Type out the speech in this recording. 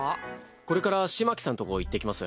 これから風巻さんとこ行ってきます